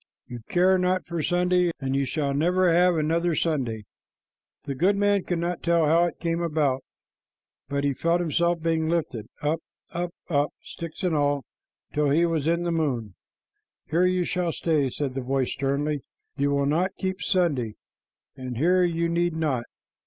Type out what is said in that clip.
"You care not for Sunday, and you shall never have another Sunday." The goodman could not tell how it came about, but he felt himself being lifted, up, up, up, sticks and all, till he was in the moon. "Here you shall stay," said the voice sternly. "You will not keep Sunday, and here you need not.